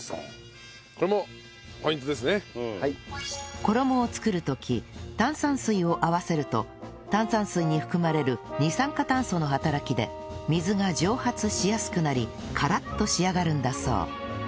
衣を作る時炭酸水を合わせると炭酸水に含まれる二酸化炭素の働きで水が蒸発しやすくなりカラッと仕上がるんだそう